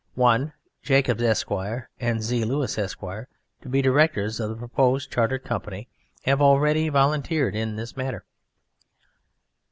I. Jacobs, Esq., and Z. Lewis, Esq. (to be directors of the proposed Chartered Company) have already volunteered in this matter.